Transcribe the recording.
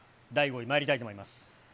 では、第５位まいりたいと思います。